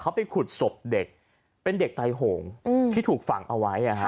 เขาไปขุดศพเด็กเป็นเด็กไตโหงที่ถูกฝังเอาไว้